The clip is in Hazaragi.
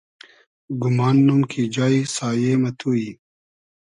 گومان نوم کی جایی سایې مۂ تو یی